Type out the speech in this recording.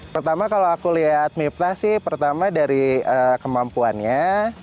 pertama kalau aku lihat miftah sih pertama dari kemampuannya